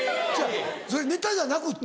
それネタじゃなくって？